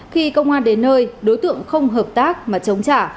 khi công an đến nơi đối tượng không hợp tác mà chống trả